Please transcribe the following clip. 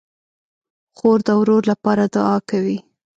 خور د ورور لپاره دعا کوي.